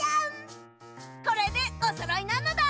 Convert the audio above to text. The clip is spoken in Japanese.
これでおそろいなのだ！